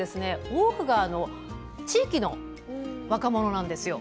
多くが地域の若者なんですよ。